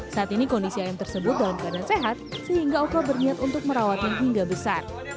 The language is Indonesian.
saat ini kondisi ayam tersebut dalam keadaan sehat sehingga oka berniat untuk merawatnya hingga besar